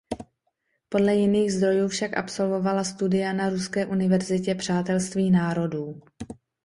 Podle jiných zdrojů však absolvovala studia na Ruské univerzitě přátelství národů.